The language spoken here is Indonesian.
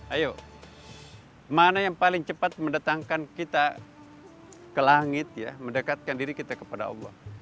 ayo mana yang paling cepat mendekatkan diri kita kepada allah